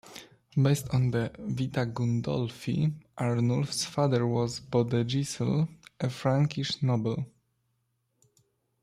Based on the "Vita Gundolphi" Arnulf's father was Bodegisel, a Frankish noble.